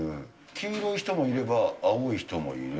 黄色い人もいれば青い人もいる。